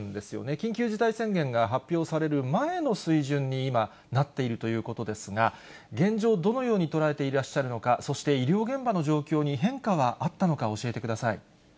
緊急事態宣言が発表される前の水準に今、なっているということですが、現状、どのように捉えていらっしゃるのか、そして、医療現場の状況に変化はあったのか、教えてください。